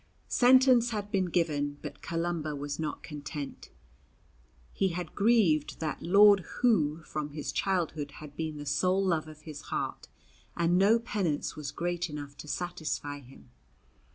Sentence had been given, but Columba was not content. He had grieved that Lord Who from his childhood had been the sole love of his heart, and no penance was great enough to satisfy him.